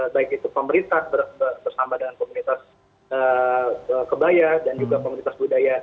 baik itu pemerintah bersama dengan komunitas kebaya dan juga komunitas budaya